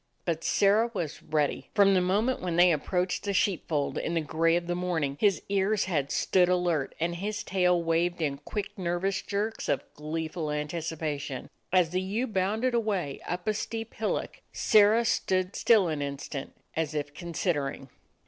But Sirrah was ready. From the moment when they approached the sheep fold in the gray of the morning, his ears had stood alert, and his tail waved in quick, nervous jerks of gleeful anticipation. As the ewe bounded away up a steep hillock, Sirrah stood still an instant, as if considering.